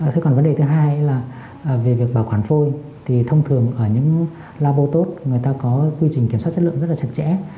thế còn vấn đề thứ hai là về việc bảo quản phôi thì thông thường ở những lobotode người ta có quy trình kiểm soát chất lượng rất là chặt chẽ